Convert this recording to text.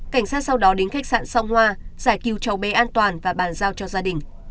cảnh sát sau đó đến khách sạn song hoa giải cứu cháu bé an toàn và bàn giao cho gia đình